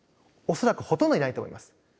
恐らくほとんどいないと思います。